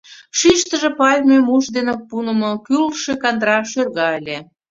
Шӱйыштыжӧ пальме муш дене пунымо, кӱрлшӧ кандыра шӧрга ыле.